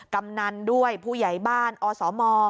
กำนันด้วยผู้ใหญ่บ้านอสม